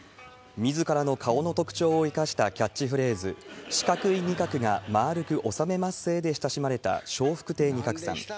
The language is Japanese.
みずからの顔の特徴を生かしたキャッチフレーズ、四角い仁鶴が、まあるくおさめまっせで親しまれた笑福亭仁鶴さん。